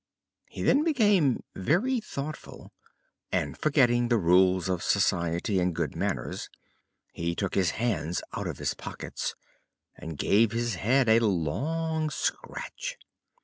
He then became very thoughtful and, forgetting the rules of society and good manners, he took his hands out of his pocket and gave his head a long scratch.